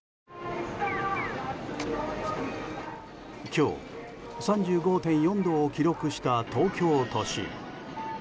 今日、３５．４度を記録した東京都心。